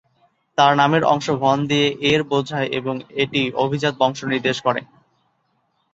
তার নামের অংশ "ভন" দিয়ে "এর" বোঝায় এবং এটি অভিজাত বংশ নির্দেশ করে।